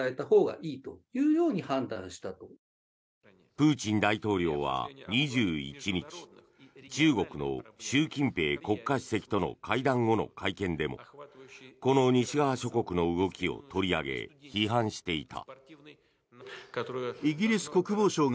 プーチン大統領は２１日中国の習近平国家主席との会談後の会見でもこの西側諸国の動きを取り上げ批判していた。